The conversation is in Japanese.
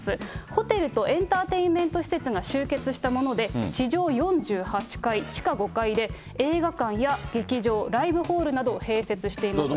ホテルとエンターテインメント施設が集結したもので、地上４８階、地下５階で、映画館や劇場、ライブホールなどを併設しています。